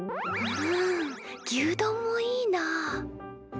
うん牛丼もいいなあ。